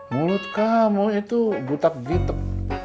mulut kamu itu butak ditek